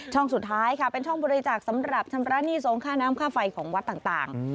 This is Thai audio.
สุดท้ายค่ะเป็นช่องบริจาคสำหรับชำระหนี้ทรงค่าน้ำค่าไฟของวัดต่าง